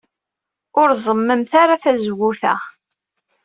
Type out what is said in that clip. Ur reẓẓmemt ara tazewwut-a.